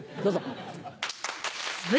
どうぞ！